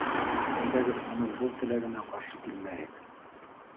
— Әйҙәгеҙ уның был теләгенә ҡаршы килмәйек.